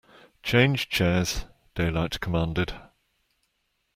Change chairs, Daylight commanded.